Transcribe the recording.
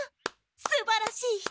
すばらしい人！